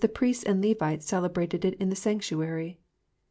priests and Levites celebrated it in the sanctuary.